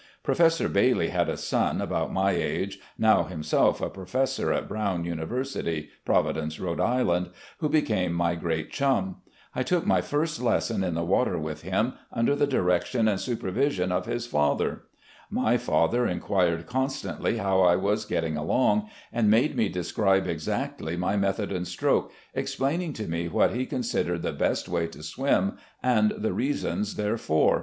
Professor Bailey had a son about my age, now himself a professor at Brown University, Providence, Rhode Island, who became my great chum. I took my first lesson in the water with him, under the direction and supervision of 14 RECOLLECTIONS OF GENERAL LEE his father. My father inquired constantly how I was getting along, and made me describe exactly my method and stroke, explaining to me what he considered the best way to swim, and the reasons therefor.